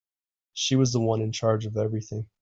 She was the one in charge of everything.